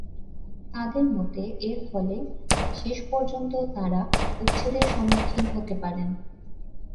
তাঁদের মতে, এর ফলে শেষ পর্যন্ত তাঁরা উচ্ছেদের সম্মুখীন হতে পারেন।